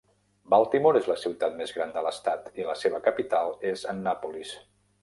Baltimore és la ciutat més gran de l'estat, i la seva capital és Annapolis.